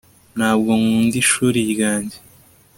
ntabwo nkunda ishuri ryanjye